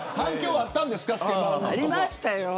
ありましたよ。